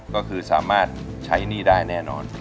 ก็คือสามารถใช้หนี้ได้แน่นอน